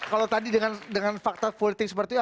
kalau tadi dengan fakta politik seperti apa